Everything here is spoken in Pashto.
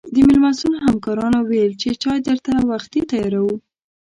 د مېلمستون همکارانو ویل چې چای درته وختي تیاروو.